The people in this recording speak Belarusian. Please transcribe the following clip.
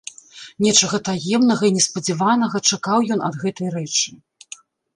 Нечага таемнага і неспадзяванага чакаў ён ад гэтай рэчы.